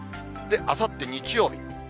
あさって日曜日。